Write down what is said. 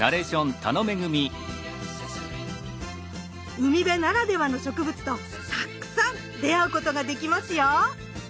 海辺ならではの植物とたくさん出会うことができますよ！